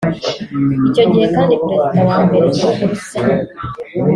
Icyo gihe kandi Perezida wa Mbere w’u Burusiya